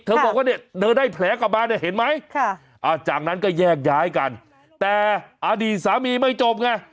บอกว่าเนี่ยเธอได้แผลกลับมาเนี่ยเห็นไหมจากนั้นก็แยกย้ายกันแต่อดีตสามีไม่จบไง